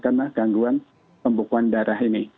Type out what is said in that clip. karena gangguan pembukaan darah ini